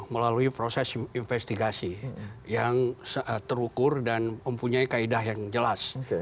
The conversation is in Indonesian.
melalui proses investigasi yang terukur dan mempunyai kaedah yang jelas